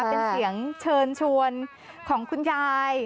เป็นเสียงเชิญชวนของคุณยาย